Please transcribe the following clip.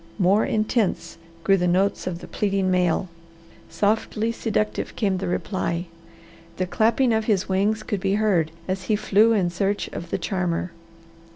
More intense grew the notes of the pleading male. Softly seductive came the reply. The clapping of his wings could be heard as he flew in search of the charmer.